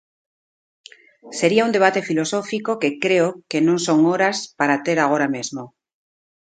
Sería un debate filosófico que creo que non son horas para ter agora mesmo.